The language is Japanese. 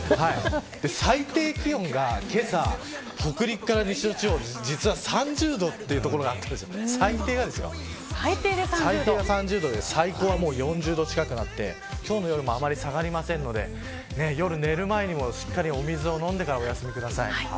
最低気温がけさ、北陸から西の地方で実は３０度という所があって最低が３０度で最高が４０度近くになって今日の夜もあまり下がりませんので夜寝る前にもしっかり水を飲んでからお休みください。